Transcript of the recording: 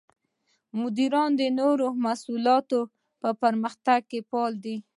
مدیران د نوو محصولاتو په پرمختګ کې فعال دي.